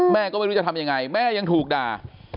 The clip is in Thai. แม่ก็ไม่รู้จะทำยังไงแม่ยังถูกด่า